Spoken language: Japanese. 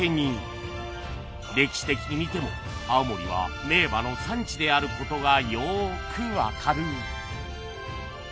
歴史的に見ても青森は名馬の産地であることがよくわかる